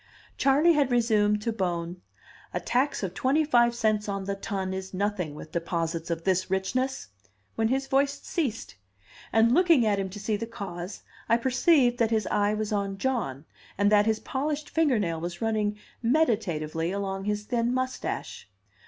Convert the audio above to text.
Charley had resumed to Bohm, "A tax of twenty five cents on the ton is nothing with deposits of this richness," when his voice ceased; and looking at him to see the cause, I perceived that his eye was on John, and that his polished finger nail was running meditatively along his thin mustache.